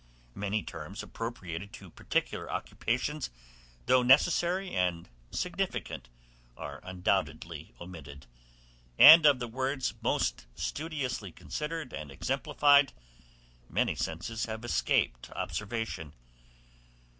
Many terms appropriated to particular occupations, though necessary and significant, are undoubtedly omitted, and of the words most studiously considered and exemplified, many senses have escaped observation.